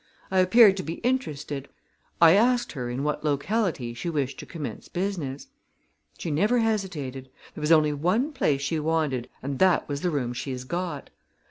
I appeared to be interested. I asked her in what locality she wished to commence business. She never hesitated. There was only one place she wanted and that was the room she's got.